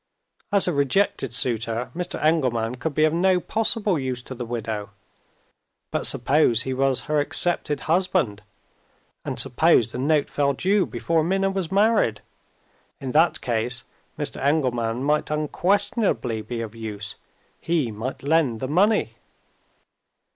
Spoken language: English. As a rejected suitor, Mr. Engelman could be of no possible use to the widow. But suppose he was her accepted husband? and suppose the note fell due before Minna was married? In that case, Mr. Engelman might unquestionably be of use he might lend the money.